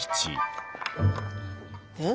えっ？